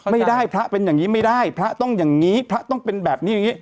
ไม่ได้พระเป็นอย่างนี้ไม่ได้พระต้องอย่างนี้พระต้องเป็นแบบนี้อย่างนี้